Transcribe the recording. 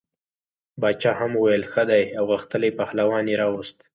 باچا هم وویل ښه دی او غښتلی پهلوان یې راووست.